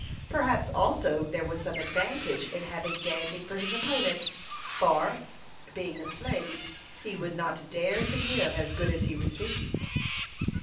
Perhaps also there was some advantage in having Dandy for his opponent, for, being a slave, he would not dare to give as good as he received.